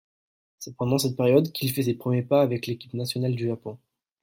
C'est pendant cette période qu'il fait ses premiers pas avec l'équipe nationale du Japon.